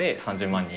３０万人？